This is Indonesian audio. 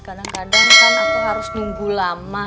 kadang kadang kan aku harus nunggu lama